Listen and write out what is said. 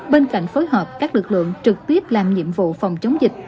bên cạnh phối hợp các lực lượng trực tiếp làm nhiệm vụ phòng chống dịch